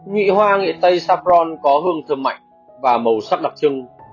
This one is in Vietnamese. nghị hoa nghệ tây saffron có hương thơm mạnh và màu sắc đặc trưng